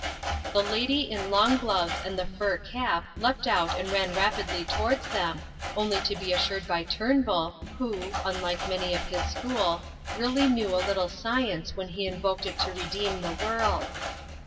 The lady in long gloves and the fur cap leapt out and ran rapidly towards them, only to be reassured by Turnbull, who (unlike many of his school) really knew a little science when he invoked it to redeem the world.